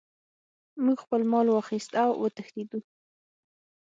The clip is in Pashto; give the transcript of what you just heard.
موږ خپل مال واخیست او وتښتیدو.